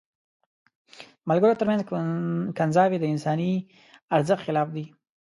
د ملګرو تر منځ کنځاوي د انساني ارزښت خلاف دي.